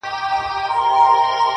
• چي ماښام سو غم نازل د آس بېلتون سو -